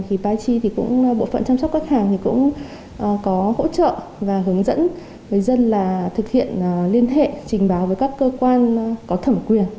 bộ phận chăm sóc khách hàng cũng có hỗ trợ và hướng dẫn người dân thực hiện liên hệ trình báo với các cơ quan có thẩm quyền